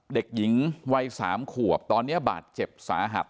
เด็กหญิงวัย๓ขวบตอนนี้บาดเจ็บสาหัส